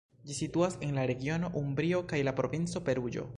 Ĝi situas en la regiono Umbrio kaj la provinco Peruĝo.